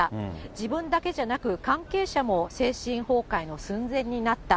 自分だけじゃなく関係者も精神崩壊の寸前になった。